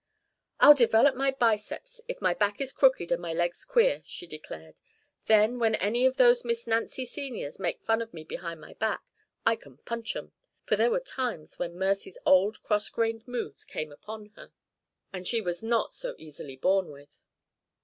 "I'll develop my biceps, if my back is crooked and my legs queer," she declared. "Then, when any of those Miss Nancy Seniors make fun of me behind my back, I can punch 'em!" for there were times when Mercy's old, cross grained moods came upon her, and she was not so easily borne with.